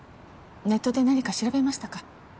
ネットで何か調べましたか？